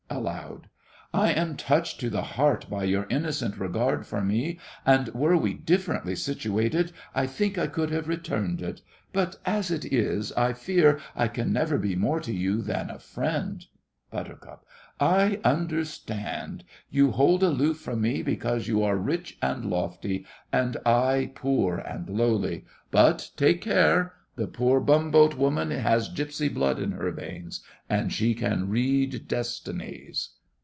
(Aloud.) I am touched to the heart by your innocent regard for me, and were we differently situated, I think I could have returned it. But as it is, I fear I can never be more to you than a friend. BUT, I understand! You hold aloof from me because you are rich and lofty—and I poor and lowly. But take care! The poor bumboat woman has gipsy blood in her veins, and she can read destinies.